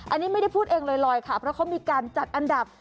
อันนี้ไม่ได้พูดเองลอยค่ะเพราะเขามีการจัดอันดับ